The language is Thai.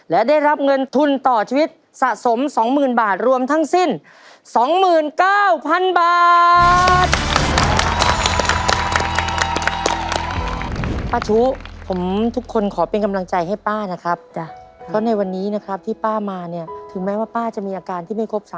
และได้รับเงินทุนต่อชีวิตสะสม๒๐๐๐บาทรวมทั้งสิ้น๒๙๐๐๐บาท